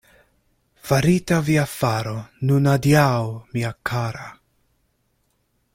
Farita via faro, nun adiaŭ, mia kara!